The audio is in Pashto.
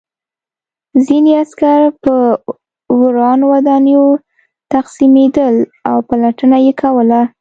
ځینې عسکر په ورانو ودانیو تقسیمېدل او پلټنه یې کوله